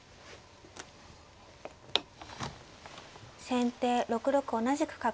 先手６六同じく角。